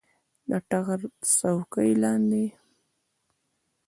د ټغر د څوکې لاندې